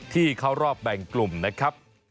เข้ารอบแบ่งกลุ่มนะครับ